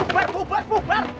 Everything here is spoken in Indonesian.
bubar bubar bubar